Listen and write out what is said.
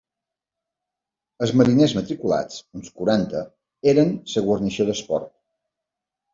Els mariners matriculats, uns quaranta, eren la guarnició del port.